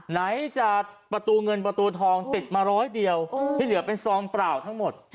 ไหนจะประตูเงินประตูทองติดมาร้อยเดียวที่เหลือเป็นซองเปล่าทั้งหมด